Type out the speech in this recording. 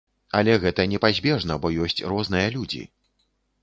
Але гэта непазбежна, бо ёсць розныя людзі.